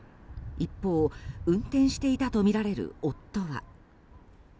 一方、運転していたとみられる夫は。